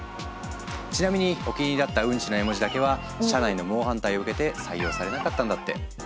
ちなみにお気に入りだった「ウンチ」の絵文字だけは社内の猛反対を受けて採用されなかったんだって。